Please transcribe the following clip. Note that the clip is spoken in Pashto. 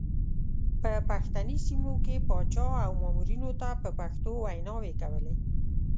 په پښتني سیمو کې پاچا او مامورینو ته په پښتو ویناوې کولې.